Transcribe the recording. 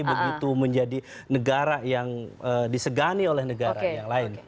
begitu menjadi negara yang disegani oleh negara yang lain